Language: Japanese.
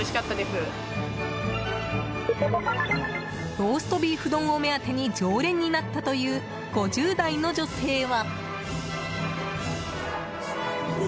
ローストビーフ丼を目当てに常連になったという５０代の女性は。